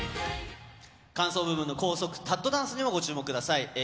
間奏部分の高速カットダンスにもご注目ください。